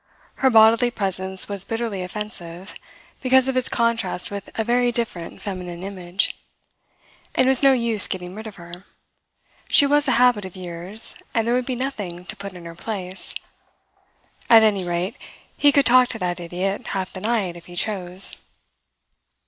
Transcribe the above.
Her bodily presence was bitterly offensive, because of its contrast with a very different feminine image. And it was no use getting rid of her. She was a habit of years, and there would be nothing to put in her place. At any rate, he could talk to that idiot half the night if he chose.